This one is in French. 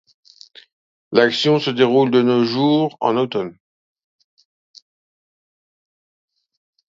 L'action se déroule de nos jours en automne.